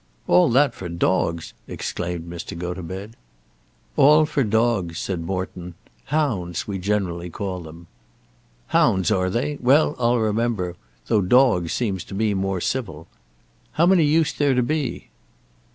"All that for dogs!" exclaimed Mr. Gotobed. "All for dogs," said Morton. "Hounds, we generally call them." "Hounds are they? Well; I'll remember; though 'dogs' seems to me more civil. How many used there to be?"